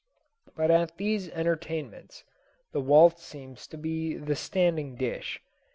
But at these entertainments the waltz seems to be the standing dish.